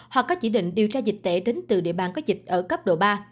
hoặc có chỉ định điều tra dịch tệ đến từ địa bàn có dịch ở cấp độ ba